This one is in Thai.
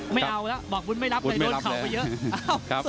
ไม่เอาแล้วบอกบุญไม่รับเลยโดนเข่าไปเยอะ